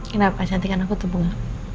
kenapa cantikan aku tuh bunga